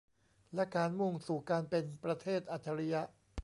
และการมุ่งสู่การเป็นประเทศอัจฉริยะ